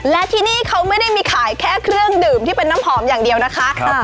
และที่นี่เขาไม่ได้มีขายแค่เครื่องดื่มที่เป็นน้ำหอมอย่างเดียวนะคะ